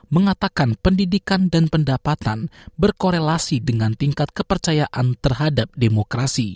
mengatakan pendidikan dan pendapatan berkorelasi dengan tingkat kepercayaan terhadap demokrasi